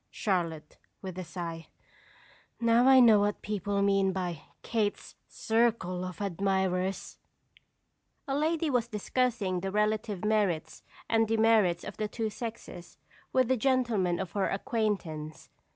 "Charlotte (with a sigh). Now I know what people mean by Kate's circle of admirers!" A lady was discussing the relative merits and demerits of the two sexes with a gentleman of her acquaintance.